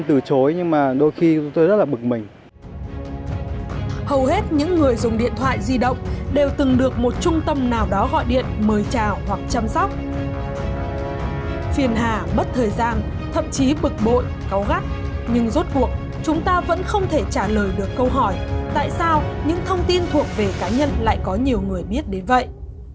thậm chí bực bội cáu gắt nhưng rốt cuộc chúng ta vẫn không thể trả lời được câu hỏi tại sao những thông tin thuộc về cá nhân lại có nhiều người biết đến vậy